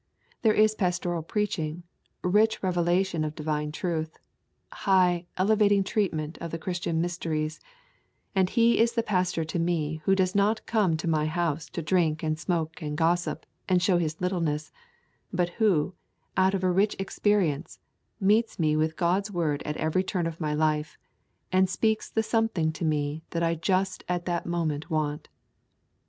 There is pastoral preaching; rich revelation of divine truth; high, elevating treatment of the Christian mysteries; and he is the pastor to me who does not come to my house to drink and smoke and gossip and show his littleness, but who, out of a rich experience, meets me with God's word at every turn of my life, and speaks the something to me that I just at that moment want.'